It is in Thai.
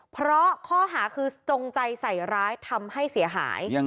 เพราะข้อหาคือจงใจใส่ร้ายทำให้เสียหาย